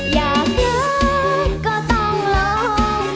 อยากเยอะก็ต้องลอง